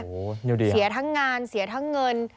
เหนียวดีอ่ะเสียทั้งงานเสียทั้งเงิน